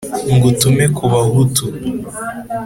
ngutume kubahutu